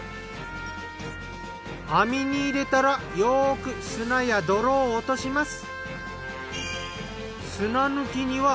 網に入れたらよく砂や泥を落とします。